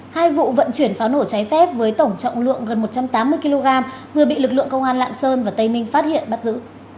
hai vụ vận chuyển pháo nổ cháy phép với tổng trọng lượng gần một trăm tám mươi kg vừa bị lực lượng công an lạng sơn và tây ninh phát hiện bắt giữ